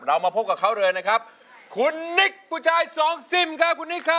เรามาพบกับเขาเลยนะครับคุณนิคผู้ชายสองสิมค่ะคุณนิคค่ะ